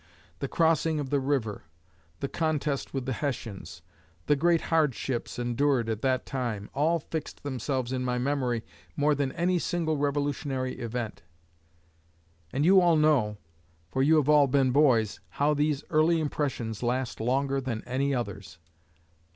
The crossing of the river, the contest with the Hessians, the great hardships endured at that time, all fixed themselves in my memory more than any single Revolutionary event; and you all know, for you have all been boys, how these early impressions last longer than any others.